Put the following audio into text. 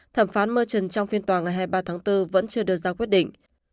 thẩm phán mơ trần trong phiên toàn ngày hai mươi ba tháng bốn vẫn chưa đưa ra quyết định